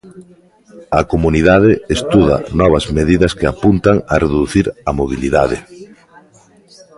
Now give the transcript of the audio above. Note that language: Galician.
A Comunidade estuda novas medidas que apuntan a reducir a mobilidade.